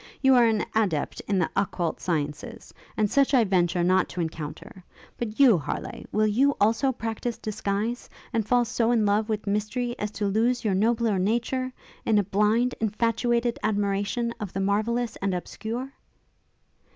You are an adept in the occult sciences; and such I venture not to encounter. But you, Harleigh, will you, also, practise disguise? and fall so in love with mystery, as to lose your nobler nature, in a blind, infatuated admiration of the marvellous and obscure?'